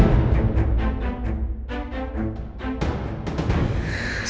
aku mau di penjara lagi